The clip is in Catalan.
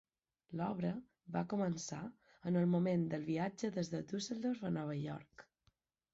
L'obra va començar en el moment del viatge des de Düsseldorf a Nova York.